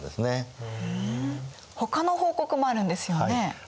ほかの報告もあるんですよね。